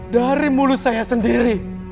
dari mulut saya sendiri